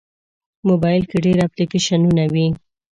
موبایل کې ډېر اپلیکیشنونه وي.